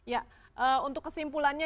ya untuk kesimpulannya